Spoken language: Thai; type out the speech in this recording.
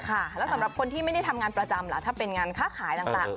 แล้วสำหรับคนที่ไม่ได้ทำงานประจำล่ะถ้าเป็นงานค้าขายต่าง